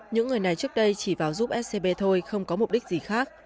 những người này trước đây chỉ vào giúp scb thôi không có mục đích gì khác